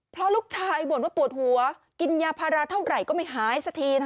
เพราะลูกชายบ่นว่าปวดหัวกินยาพาราเท่าไหร่ก็ไม่หายสักที